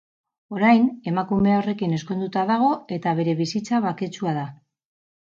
Orain emakume horrekin ezkonduta dago eta bere bizitza baketsua da.